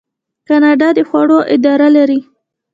کاناډا د خوړو اداره لري.